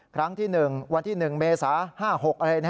ครั้งที่๑วันที่๑เมษา๕๖อะไร